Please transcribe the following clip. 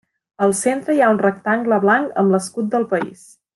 Al centre hi ha un rectangle blanc amb l'escut del país.